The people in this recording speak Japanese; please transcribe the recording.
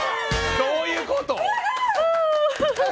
どういうこと。